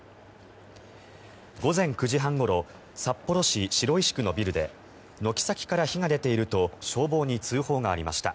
午前９時半ごろ札幌市白石区のビルで軒先から火が出ていると消防に通報がありました。